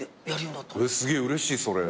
すげえうれしいそれ。